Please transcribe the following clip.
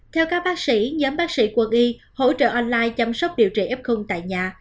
theo các bác sĩ nhóm bác sĩ quân y hỗ trợ online chăm sóc điều trị f tại nhà